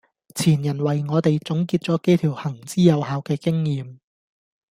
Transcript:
前人為我哋總結咗幾條行之有效嘅經驗